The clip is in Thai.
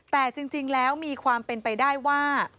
แต่จริงแล้วมีความเป็นไปได้ว่า